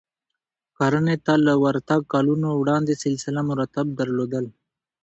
کرنې ته له ورتګ کلونه وړاندې سلسله مراتب درلودل